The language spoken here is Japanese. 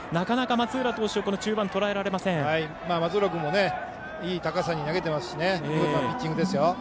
松浦君もいい高さに投げてますしいいピッチングですよ。